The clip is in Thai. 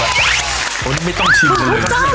อันนี้ไม่ต้องชิมเลย